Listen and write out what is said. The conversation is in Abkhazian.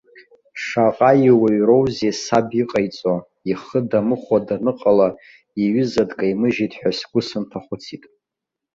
Шаҟа иуаҩроузеи саб иҟаиҵо, ихы дамыхәо даныҟала, иҩыза дкаимыжьит ҳәа сгәы сынҭахәыцит.